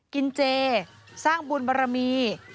กินเจสร้างบุญบารมี